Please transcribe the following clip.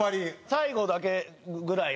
最後だけぐらい。